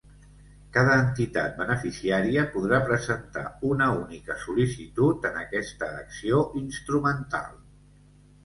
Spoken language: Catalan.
Cada entitat beneficiària podrà presentar una única sol·licitud en aquesta acció instrumental.